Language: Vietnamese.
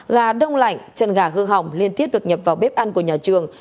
gà đông lạnh chân gà hư hỏng liên tiếp được nhập vào bếp ăn của nhà trường